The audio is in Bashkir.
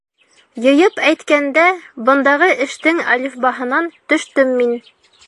Йыйып әйткәндә, бындағы эштең әлифбаһынан төштөм мин.